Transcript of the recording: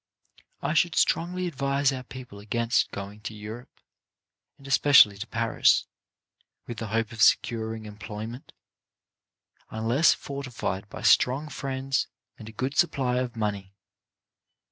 I should strongly advise our people against go ing to Europe, and especially to Paris, with the hope of securing employment, unless fortified by strong friends and a good supply of money.